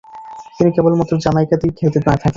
তিনি কেবলমাত্র জ্যামাইকাতেই খেলতে থাকেন।